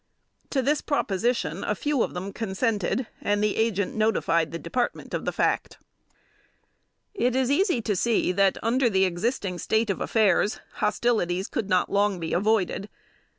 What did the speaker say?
To this proposition a few of them consented, and the Agent notified the Department of the fact. It was easy to see that, under the existing state of affairs, hostilities could not long be avoided.